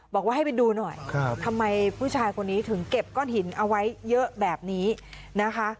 บอกว่าให้ไปดูหน่อยทำไมผู้ชายคนนี้ถึงเก็บก้อนหินเอาไว้เยอะแบบนี้นะคะ